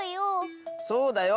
そうだよ！